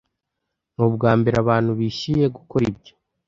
nubwambere abantu bishyuye gukora ibyo